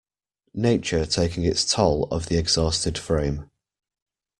Nature taking its toll of the exhausted frame.